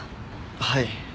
はい。